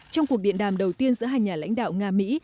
trong cuộc điện đàm đầu tiên giữa hai nhà lãnh đạo nga mỹ